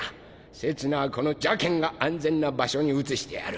せつなはこの邪見が安全な場所に移してやる！